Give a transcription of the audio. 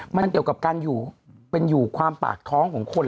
มันเกี่ยวกับการอยู่เป็นอยู่ความปากท้องของคน